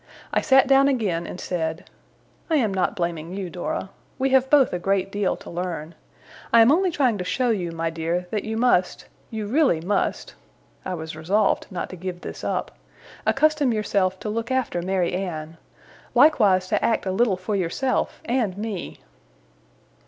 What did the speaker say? I sat down again, and said: 'I am not blaming you, Dora. We have both a great deal to learn. I am only trying to show you, my dear, that you must you really must' (I was resolved not to give this up) 'accustom yourself to look after Mary Anne. Likewise to act a little for yourself, and me.